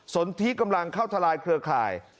สนทิกำลังเข้าทลายเครือข่าย